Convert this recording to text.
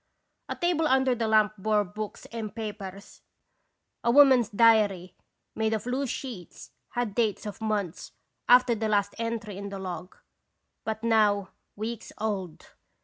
A table under the lamp bore books and papers. A woman's diary, made of loose sheets, had dates of months after the last entry in the log, but now weeks old.